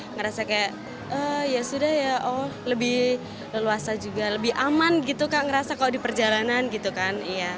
ngerasa kayak ya sudah ya oh lebih leluasa juga lebih aman gitu kak ngerasa kalau di perjalanan gitu kan